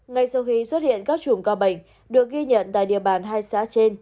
ngay sau khi xuất hiện các chùm ca bệnh được ghi nhận tại địa bàn hai xã trên